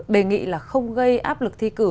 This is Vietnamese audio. đề nghị là không gây áp lực thi cử